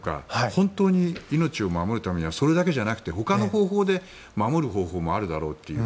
本当に命を守るためにはそれだけじゃなくてほかの方法で守る方法もあるだろうと。